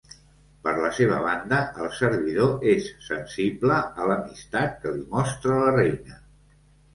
Per la seva banda, el servidor és sensible a l'amistat que li mostra la reina.